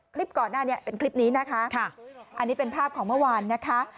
ก่อนหน้านี้เป็นคลิปนี้นะคะอันนี้เป็นภาพของเมื่อวานนะคะ